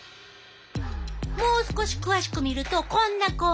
もう少し詳しく見るとこんな構造。